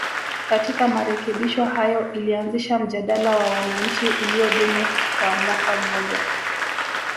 Katika marekebisho hayo ilianzisha mjadala wa wananchi uliodumu kwa mwaka mmoja